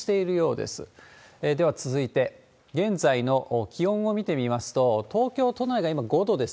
では続いて、現在の気温を見てみますと、東京都内が今５度です。